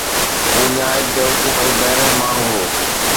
هُو نهايت بيوقوف ۽ بي رحم ماڻهو هو